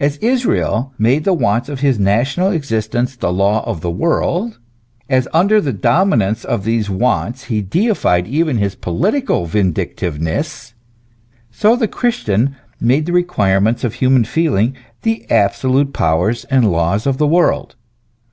As Israel made the wants of his national existence the law of the world, as, under the dominance of these wants, he deified even his political vindictiveness : so the Christian made the requirements of human feeling the absolute powers and laws of the world.